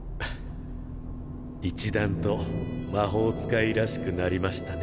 一段と魔法使いらしくなりましたね。